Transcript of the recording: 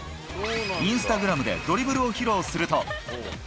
インスタグラムでドリブルを披露すると。